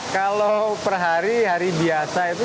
kalau per hari hari biasa itu